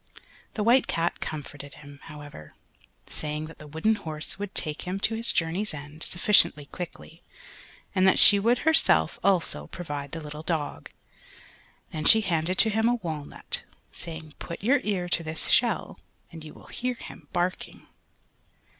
The White Cat comforted him, however, saying that the wooden horse would take him to his journey's end sufficiently quickly, and that she would herself also provide the little dog; then she handed to him a walnut, saying, "Put your ear to this shell and you will hear him barking."